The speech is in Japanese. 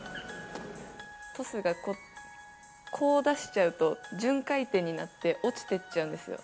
トスがこう出しちゃうと、順回転になって落ちてっちゃうんですよ。